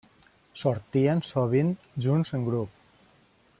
Sortien sovint junts en grup.